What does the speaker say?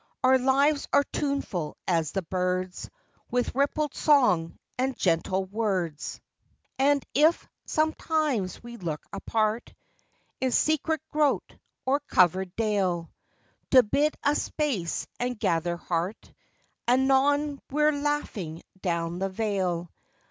Our lives are tuneful as the birds, With rippled song and gentle words. 109 I IO THE STREAM AND /. And if, sometimes, we lurk apart In secret grot or covert dale, To bide a space and gather heart, Anon we 're laughing down the vale.